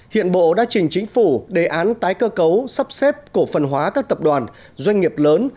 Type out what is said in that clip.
hiện bộ đã trình chính phủ đề án tái cơ cấu sắp xếp cổ phần hóa các tập đoàn doanh nghiệp lớn